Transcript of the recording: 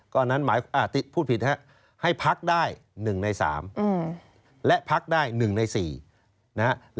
ก็อันนั้นหมายพูดผิดนะครับให้พักได้๑ใน๓และพักได้๑ใน๔นะฮะ